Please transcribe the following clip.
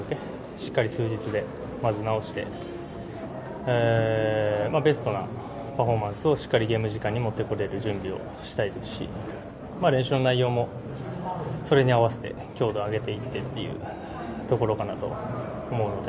しっかり数日でまずは戻してベストなパフォーマンスをしっかりゲーム時間に持ってこれる準備をしたいですし練習の内容も、それに合わせて強度を上げていってというところかなと思うので。